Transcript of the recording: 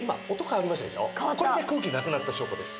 これで空気なくなった証拠です。